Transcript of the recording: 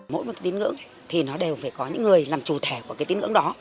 mỗi một tín ngưỡng thì nó đều phải có những người làm chủ thể của cái tín ngưỡng đó